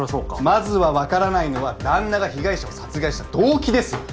まずは分からないのは旦那が被害者を殺害した動機ですよ。